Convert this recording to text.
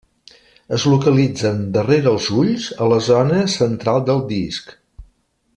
Es localitzen darrere els ulls, a la zona central del disc.